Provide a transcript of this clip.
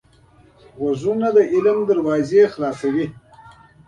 غوږونه د علم دروازې پرانیزي